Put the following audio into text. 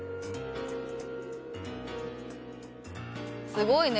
すごいね。